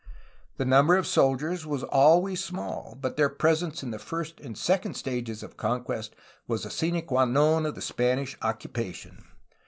The number of soldiers was always small, but their presence in the first and second stages of conquest was a sine qua non of the Spanish occupation.